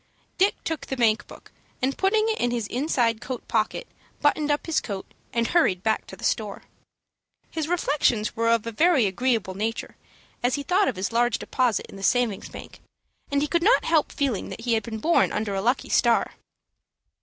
Dick took the bank book, and, putting it in his inside coat pocket, buttoned up his coat, and hurried back to the store. His reflections were of a very agreeable nature, as he thought of his large deposit in the savings bank, and he could not help feeling that he had been born under a lucky star.